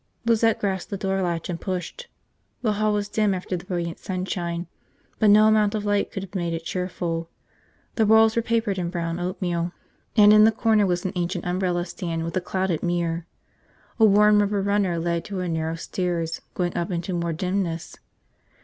Lizette grasped the door latch and pushed. The hall was dim after the brilliant sunshine, but no amount of light could have made it cheerful. The walls were papered in brown oatmeal and in the corner was an ancient umbrella stand with a clouded mirror. A worn rubber runner led to a narrow stairs going up into more dimness.